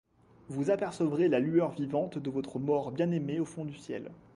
Vous apercevrez la lueur vivante de votre mort bien-aimé au fond du ciel.